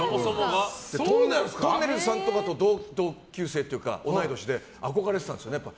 とんねるずさんとかと同級生というか同い年で憧れてたんですよね